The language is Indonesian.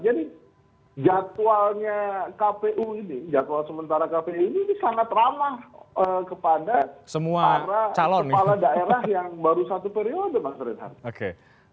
jadi jadwalnya kpu ini jadwal sementara kpu ini ini sangat ramah kepada para kepala daerah yang baru satu periode mas rithard